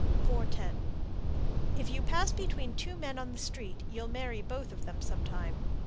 410. If you pass between two men on the street, you'll marry both of them sometime.